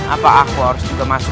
apa aku harus juga masuk